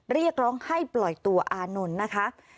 เรียกร้องให้ปล่อยตัวอานนท์นะคะ